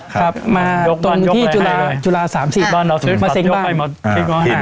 ครับมาตรงที่จุฬา๓๐มาเซ็งบ้าน